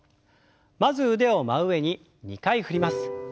まず腕を真上に２回振ります。